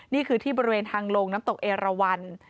นี่คือที่บริเวณทางลงน้ำตกเอราวัน